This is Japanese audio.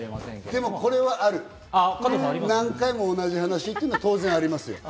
でも、これはある、何回も同じ話っていうのは当然あります。